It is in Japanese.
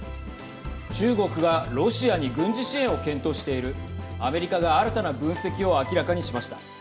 中国がロシアに軍事支援を検討しているアメリカが新たな分析を明らかにしました。